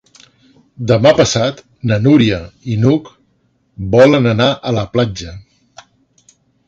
Demà passat na Núria i n'Hug volen anar a la platja.